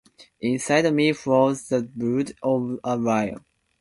Inside me flows the blood of a lion.